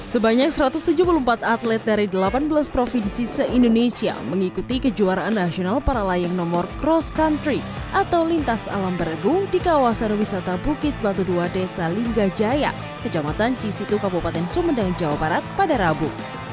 sebelumnya kejuaraan nasional para layang nomor cross country atau lintas alam bergu di kawasan wisata bukit batu dua desa linggajaya kejamatan cisitu kabupaten sumedang jawa barat pada rabu